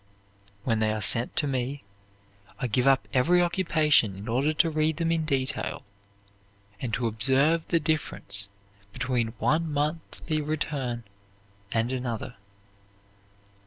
"When they are sent to me, I give up every occupation in order to read them in detail, and to observe the difference between one monthly return and another.